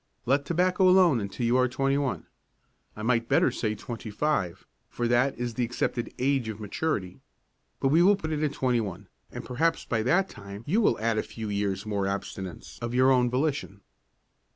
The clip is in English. Let tobacco alone until you are twenty one. I might better say twenty five, for that is the accepted age of maturity. But we will put it at twenty one and perhaps by that time you will add a few years' more abstinence of your own volition."